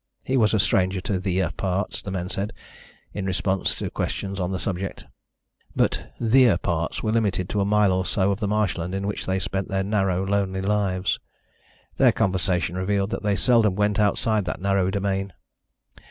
He was a stranger to "theer" parts, the men said, in response to questions on the subject. But "theer" parts were limited to a mile or so of the marshland in which they spent their narrow, lonely lives. Their conversation revealed that they seldom went outside that narrow domain.